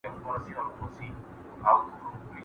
چرگه چي اذان وکي د خاوند سر خوري.